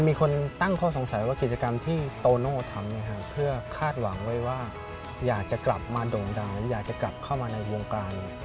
มาโด่งดาวอยากจะกลับเข้ามาในวงการ